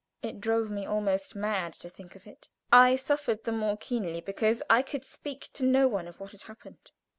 It drove me almost mad to think of it. I suffered the more keenly because I could speak to no one of what had happened.